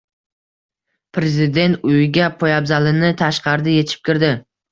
Prezident uyga poyabzalini tashqarida yechib kirdi